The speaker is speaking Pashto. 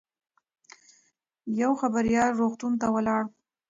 یو خبریال روغتون ته ولاړ.